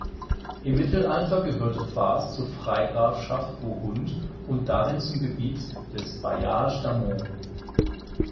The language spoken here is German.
Im Mittelalter gehörte Vars zur Freigrafschaft Burgund und darin zum Gebiet des Bailliage d’Amont.